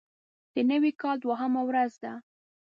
د نوي کال دوهمه ورځ وه.